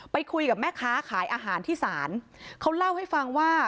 ไปคุยกับแม่ค้าขายอาหารที่ศาลเขาเล่าให้ฟังว่า